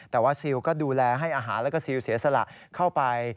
แต่ว่าซิลก็ดูแลให้อาหารแล้วก็ซิลเสียสละเข้าไป